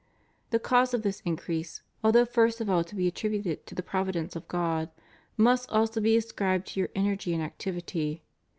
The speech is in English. The cause of this increase, although first of all to be attributed to the provi dence of God, must also be ascribed to your energy and activity.